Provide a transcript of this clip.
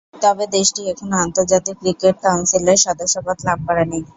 তবে দেশটি এখনও আন্তর্জাতিক ক্রিকেট কাউন্সিল এর সদস্যপদ লাভ করে নি।